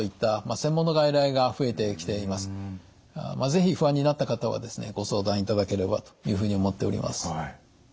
是非不安になった方はですねご相談いただければというふうに思っております。